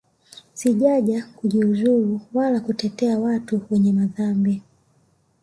Sijaja kujiuzulu wala kutetea watu wenye madhambi